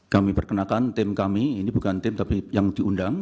kami perkenalkan tim kami ini bukan tim tapi yang diundang